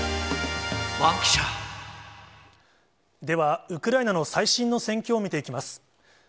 では、ウクライナの最新の戦況を見ていきます。